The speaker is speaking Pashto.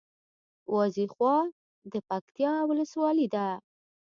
وازېخواه د پکتیکا ولسوالي ده